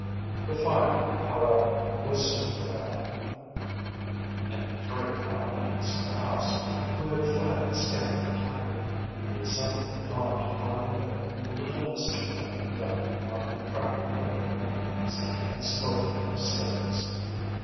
The fire, however, was soon put out, and the frightened occupants of the house, who had fled in scant attire, reassembled at dawn to find that little mischief had been done beyond the cracking of window panes and smoking of ceilings.